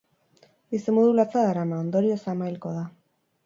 Bizimodu latza darama, ondorioz ama hilko da.